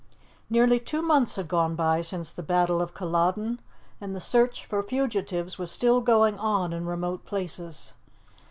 Nearly two months had gone by since the Battle of Culloden, and the search for fugitives was still going on in remote places.